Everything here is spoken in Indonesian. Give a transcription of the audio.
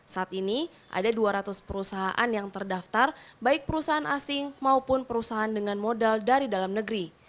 saat ini ada dua ratus perusahaan yang terdaftar baik perusahaan asing maupun perusahaan dengan modal dari dalam negeri